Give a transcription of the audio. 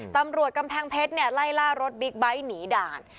ตำรวจกำแพงเพชรไล่ล่ารถบิ๊กบายท์หนีด่าน